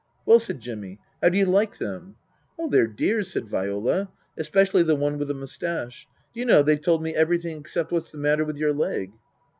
" Well," said Jimmy, " how do you like them ?"" Oh they're dears," said Viola, " especially the one with the moustache. Do you know, they've told me every thing except what's the matter with your leg."